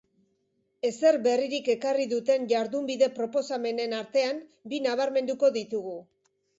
Ezer berririk ekarri duten jardunbide proposamenen artean bi nabarmenduko ditugu.